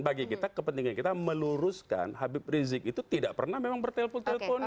bagi kita kepentingan kita meluruskan habib rizik itu tidak pernah memang bertelpon telpon